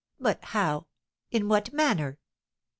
But how in what manner?"